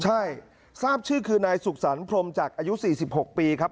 ใช่ทราบชื่อคือนายสุขสรรค์พรมจักรอายุ๔๖ปีครับ